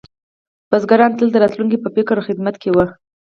بزګران تل د راتلونکي په فکر او خدمت کې وو.